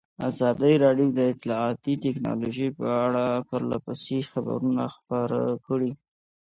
ازادي راډیو د اطلاعاتی تکنالوژي په اړه پرله پسې خبرونه خپاره کړي.